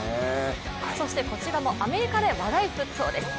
こちらもアメリカで話題沸騰です。